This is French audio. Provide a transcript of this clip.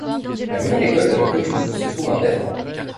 La nouvelle école de la commune se trouve à Berland.